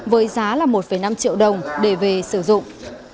với giá là một năm triệu đồng để về sử dụng